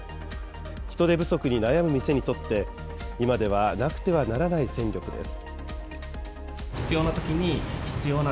人手不足に悩む店にとって今では、なくてはならない戦力です。